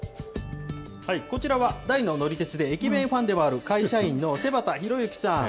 こちらは、大の乗り鉄で駅弁ファンでもある、会社員の瀬端浩之さん。